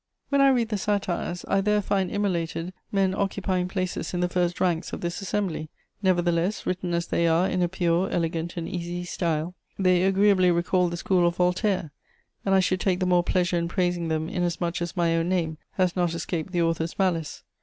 When I read the satires, I there find immolated men occupying places in the first ranks of this assembly; nevertheless, written as they are in a pure, elegant and easy style, they agreeably recall the school of Voltaire, and I should take the more pleasure in praising them inasmuch as my own name has not escaped the author's malice.